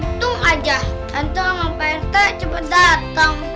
untung aja tante sama pak rete cepet dateng